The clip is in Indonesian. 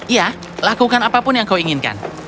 ya lakukan apapun yang kau inginkan